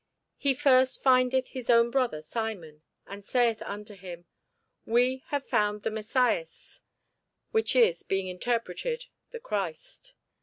He first findeth his own brother Simon, and saith unto him, We have found the Messias, which is, being interpreted, the Christ.